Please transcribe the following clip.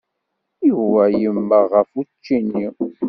Yuba yemmeɣ ɣef učči-nni.